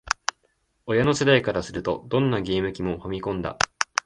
親の世代からすると、どんなゲーム機も「ファミコン」だ